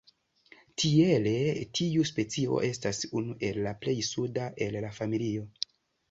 Tiele tiu specio estas unu el la plej suda el la familio.